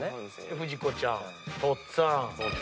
不二子ちゃん。とっつぁん。